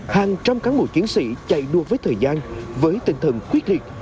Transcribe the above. hàng trăm cán bộ chiến sĩ chạy đua với thời gian với tinh thần quyết liệt